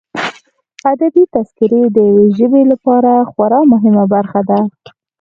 ادبي تذکرې د یوه ژبې لپاره خورا مهمه برخه ده.